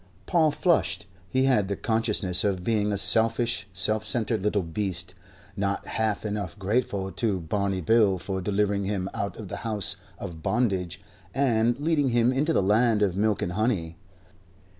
Paul flushed. He had the consciousness of being a selfish, self centered little beast, not half enough grateful to Barney Bill for delivering him out of the House of Bondage and leading him into the Land of Milk and Honey.